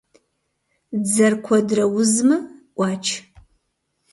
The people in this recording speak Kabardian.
Дзэр куэдрэ узмэ — Ӏуач.